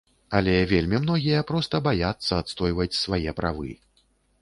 Але вельмі многія проста баяцца адстойваць свае правы.